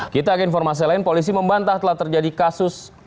kita ke informasi lain polisi membantah telah terjadi kasus